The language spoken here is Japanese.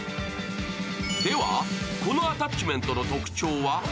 ではこのアタッチメントの特徴は？